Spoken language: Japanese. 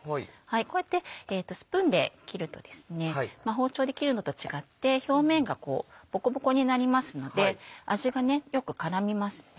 こうやってスプーンで切ると包丁で切るのと違って表面がボコボコになりますので味がよく絡みます。